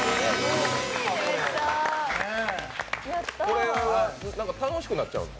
これは楽しくなっちゃうの？